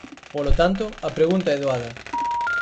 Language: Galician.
Polo tanto, a pregunta é doada.